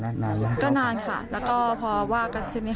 แล้วหนูก็ขับรถไปกับแฟนใช่ไหมคะ